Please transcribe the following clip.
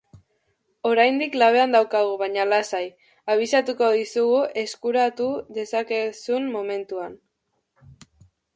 Oraindik labean daukagu baina lasai, abisatuko dizugu eskuratu dezakezun momentuan.